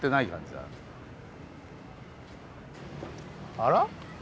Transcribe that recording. あら？